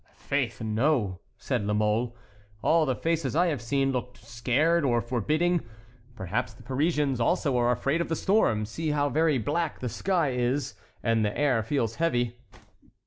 "Faith! no," said La Mole. "All the faces I have seen looked scared or forbidding; perhaps the Parisians also are afraid of the storm; see how very black the sky is, and the air feels heavy."